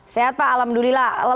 sehat pak alhamdulillah